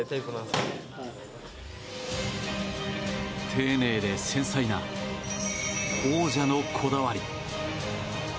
丁寧で繊細な王者のこだわり。